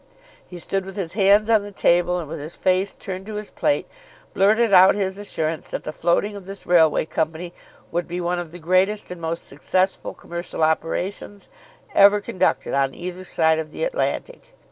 He stood with his hands on the table and with his face turned to his plate blurted out his assurance that the floating of this railway company would be one of the greatest and most successful commercial operations ever conducted on either side of the Atlantic.